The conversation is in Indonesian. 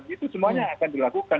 itu semuanya akan dilakukan